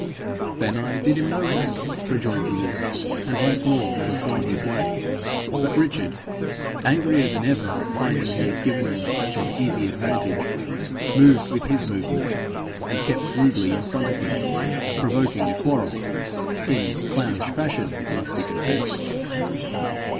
'Then I did him no wrong,' rejoined the youth, and once more would have gone his way. But Richard, angrier than ever at finding he had given him such an easy advantage, moved with his movement, and kept rudely in front of him, provoking a quarrel in clownish fashion, it must be confessed.